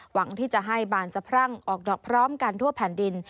หวังที่จะให้บานสะพรั่งออกดอกพร้อมกันทั่วแผ่นดิน